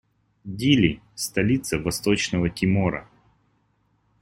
Дили - столица Восточного Тимора.